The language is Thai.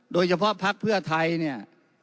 โดยเฉพาะภาคเพื่อไทยเนี่ย